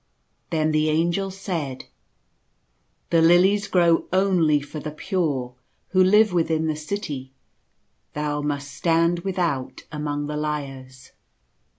Then the Angel said —" The lilies grow only for the pure, who live within the city ; thou must stand without among the liars."